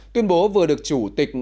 tuyên bố vừa được chủ tịch